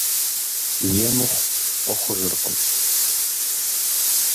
Е мыхъу фӀы хъужыркъым.